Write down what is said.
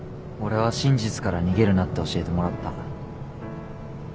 俺は真実から逃げるなって教えてもらった。